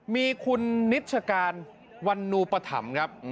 มีคุณนิชการวันนูปธรรมครับ